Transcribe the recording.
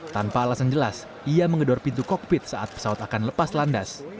tanpa alasan jelas ia mengedor pintu kokpit saat pesawat akan lepas landas